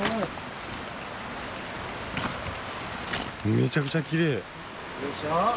めちゃくちゃきれい！でしょ？